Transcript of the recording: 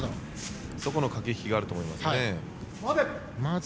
そこの駆け引きがあると思います。